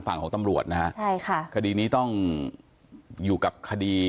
พูดเหมือนเดิมคือพูดอะไร